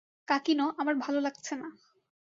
কাকিনো, আমার ভালো লাগছে না।